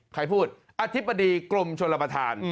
ใครพูดอธิบดีกรมชนประธาน